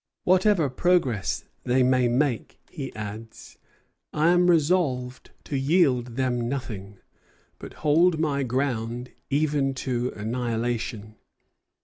"Whatever progress they may make," he adds, "I am resolved to yield them nothing, but hold my ground even to annihilation."